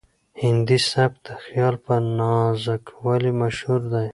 هندي سبک د خیال په نازکوالي مشهور دی.